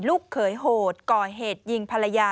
ลูกเขยโหดก่อเหตุยิงภรรยา